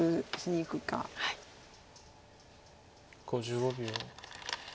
５５秒。